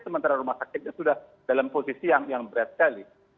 sementara rumah sakitnya sudah dalam posisi yang berat sekali